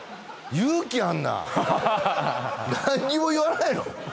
勇気あんなハハハハ何にも言わないの？